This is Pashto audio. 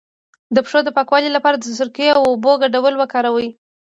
د پښو د پاکوالي لپاره د سرکې او اوبو ګډول وکاروئ